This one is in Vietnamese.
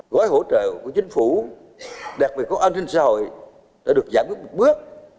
gói hỗ trợ của chính phủ đặc biệt của an ninh xã hội đã được giảm bước một bước